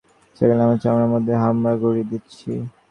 সেগুলো আমার চামড়ার মধ্যে হামাগুড়ি দিচ্ছে।